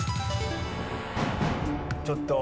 ちょっと。